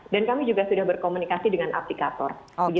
dan kami juga sudah berkomunikasi dengan aplikator